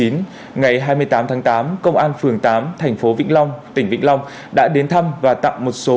ngày hai mươi tám tháng tám công an phường tám thành phố vĩnh long tỉnh vĩnh long đã đến thăm và tặng một số